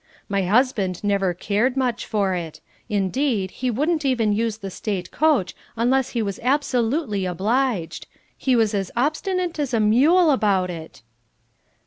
My husband never cared much for it. Indeed, he wouldn't even use the State coach unless he was absolutely obliged. He was as obstinate as a mule about it!"